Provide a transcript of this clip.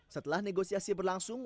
setelah negosiasi berlangsung